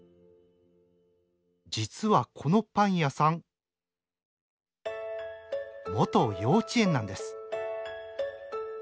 実はこのパン屋さん元幼稚園なんです。